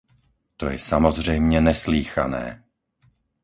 To je samozřejmě neslýchané.